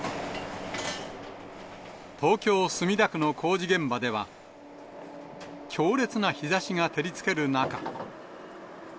東京・墨田区の工事現場では、強烈な日ざしが照りつける中。